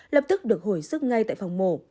lập tức được hồi sức ngay tại phòng mổ